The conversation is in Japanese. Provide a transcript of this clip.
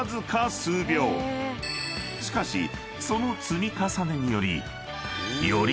［しかしその積み重ねによりより